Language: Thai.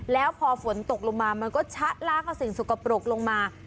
แล้วพอฝนตกลงมามันก็ชะลากเอาสิ่งสกปรกลงมา